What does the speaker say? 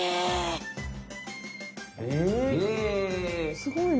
すごいね。